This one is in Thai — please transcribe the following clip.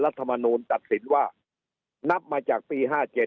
รัฐมนูลตัดสินว่านับมาจากปี๕๗